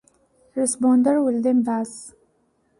Responder will then pass.